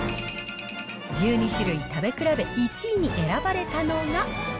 １２種類食べ比べ、１位に選ばれたのが。